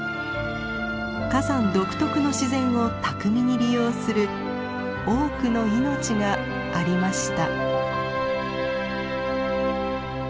火山独特の自然を巧みに利用する多くの命がありました。